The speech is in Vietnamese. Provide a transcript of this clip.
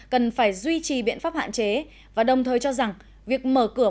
cần phải duy trì biện pháp hạn chế và đồng thời cho rằng việc mở cửa